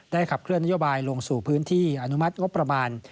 ขับเคลื่อนนโยบายลงสู่พื้นที่อนุมัติงบประมาณ